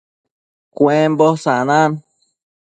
Cuembo sanan